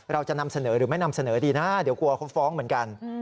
เราจะนำเสนอหรือไม่นำเสนอดีนะเดี๋ยวกลัวเขาฟ้องเหมือนกัน